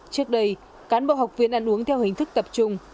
trước đây cán bộ học viên ăn uống theo hình thức tập trung